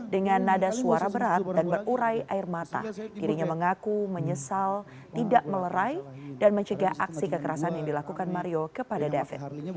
dengan nada suara berat dan berurai air mata dirinya mengaku menyesal tidak melerai dan mencegah aksi kekerasan yang dilakukan mario kepada david